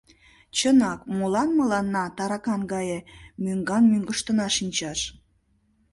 Чынак, молан мыланна таракан гае мӧҥган-мӧҥгыштына шинчаш?